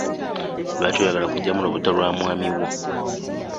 Lwaki oyagala kugyamu lubutto lw'omwami wo?